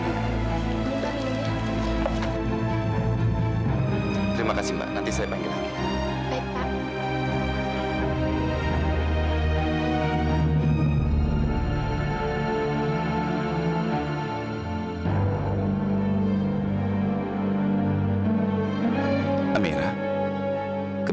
terima kasih mbak nanti saya panggil lagi